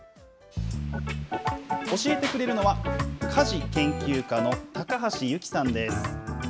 教えてくれるのは、家事研究家の高橋ゆきさんです。